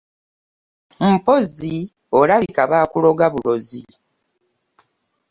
Mpozzi olabika baakuloga bulozi.